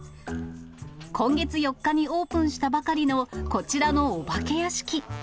今月４日にオープンしたばかりのこちらのお化け屋敷。